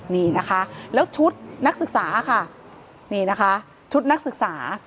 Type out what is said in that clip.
นี่นะคะแล้วชุดนักศึกษาค่ะนี่นะคะชุดนักศึกษา